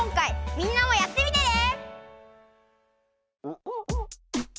みんなもやってみてね！